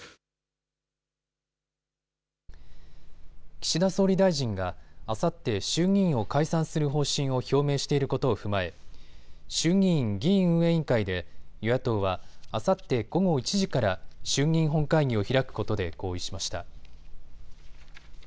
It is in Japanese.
岸田総理大臣があさって衆議院を解散する方針を表明していることを踏まえ衆議院議院運営委員会で与野党はあさって午後１時から衆議院本会議を開くことで合意しました。